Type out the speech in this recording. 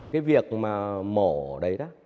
cái việc mà mổ đấy đó